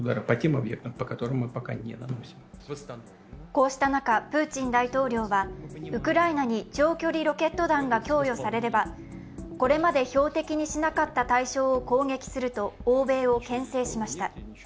こうした中、プーチン大統領は、ウクライナに長距離ロケット弾が供与されれば、これまで標的にしなかった対象を攻撃すると欧米を牽制しました。